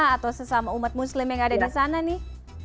atau sesama umat muslim yang ada di sana nih